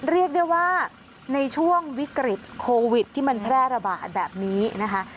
เรียกได้ว่าในช่วงวิกฤตโควิดที่มันแพร่ระบาดแบบนี้นะคะ